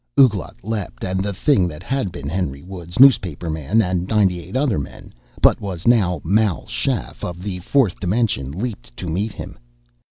Ouglat leaped and the thing that had been Henry Woods, newspaperman, and ninety eight other men, but was now Mal Shaff of the fourth dimension, leaped to meet him.